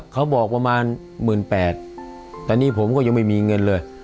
เขาบอกประมาณหมื่นแปดแต่นี่ผมก็ยังไม่มีเงินเลย